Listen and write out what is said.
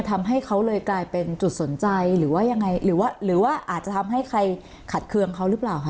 ทำให้เขาเลยกลายเป็นจุดสนใจหรือว่ายังไงหรือว่าหรือว่าอาจจะทำให้ใครขัดเคืองเขาหรือเปล่าคะ